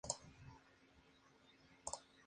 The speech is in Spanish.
Su esposa era judía.